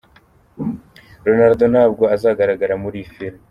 Ronaldo ntabwo azagaragara muri iyi film.